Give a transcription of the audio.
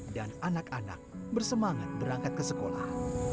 dan anak anak bersemangat berangkat ke sekolah